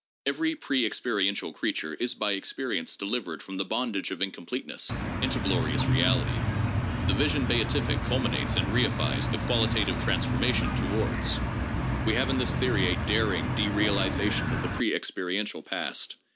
Every pre experiential creature is by experience deliv ered from the bondage of incompleteness into glorious reality. The vision beatific culminates and reifies the ' qualitative transfor mation to wards. ' We have in this theory a daring de realization of the pre experiential past.